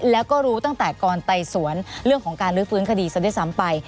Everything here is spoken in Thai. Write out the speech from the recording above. แล้วก็รู้ตั้งแต่ก่อนไตรศรเรื่องของการฤทธิภืนคดีสังเกตสั้นไป